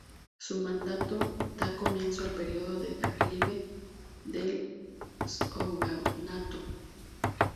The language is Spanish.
Su mandato da comienzo al período de declive del shogunato.